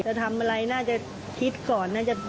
จะทำอะไรน่าจะคิดก่อน